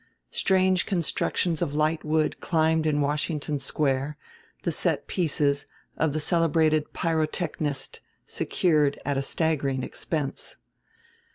Strange constructions of light wood climbed in Washington Square the set pieces of the celebrated pyrotechnist secured at a "staggering expense."